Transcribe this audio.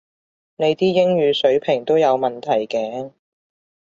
你啲英語水平都有問題嘅